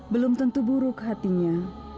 belum tentu buruk hatinya